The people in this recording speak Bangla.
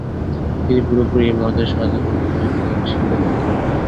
তিনি পুরোপুরি এই মতের সাধক হয়তো ছিলেন না।